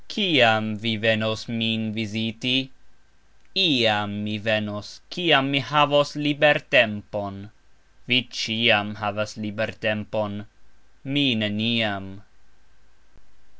"Kiam" vi venos min viziti? "Iam" mi venos, "kiam" mi havos libertempon; vi "cxiam" havas libertempon, mi "neniam".